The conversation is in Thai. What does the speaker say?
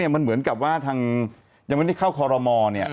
มันเหมือนกับว่าทางที่เข้าคอรมณ์